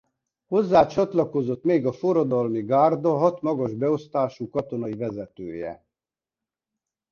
Hozzá csatlakozott még a Forradalmi Gárda hat magas beosztású katonai vezetője.